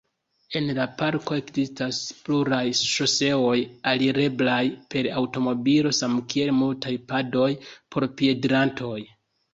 En la parko ekzistas pluraj ŝoseoj alireblaj per aŭtomobilo, samkiel multaj padoj por piedirantoj.